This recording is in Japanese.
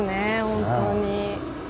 本当に。